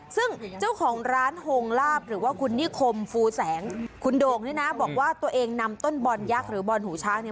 ซึ่งเจ้าของร้านโฮงลาบหรือว่าคุณนิคมฟูแสงคุณโด่งนี่นะบอกว่าตัวเองนำต้นบอลยักษ์หรือบอลหูช้างเนี่ย